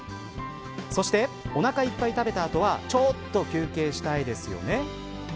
そして、おなかいっぱい食べた後はちょっと休憩したいですよね。